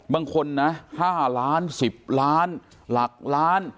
บางคนนะ๕ล้าน๑๐ล้านหลักล้าน